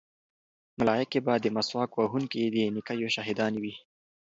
ملایکې به د مسواک وهونکي د نیکیو شاهدانې وي.